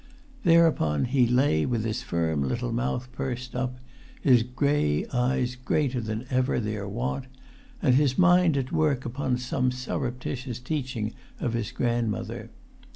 Thereupon he lay with his firm little mouth pursed up, his grey eyes greater than even their wont, and his mind at work upon some surreptitious teaching of his grandmother.